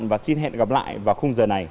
và xin hẹn gặp lại vào khung giờ này